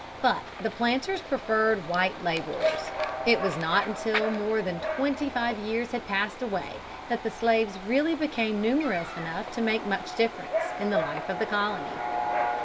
But the planters preferred white laborers. It was not until more that twenty five years had passed away that the slaves really became numerous enough to make much difference in the life of the colony.